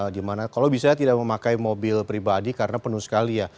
dimana kalau bisa tidak memakai mobil pribadi karena penuh sekali ya